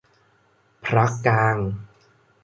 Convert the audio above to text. พรรคกลาง